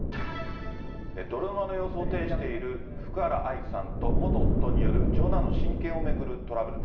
泥沼の様相を呈している福原愛さんと元夫による長男の親権を巡るトラブル。